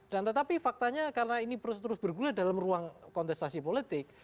dan tetapi faktanya karena ini terus bergulai dalam ruang kontestasi politik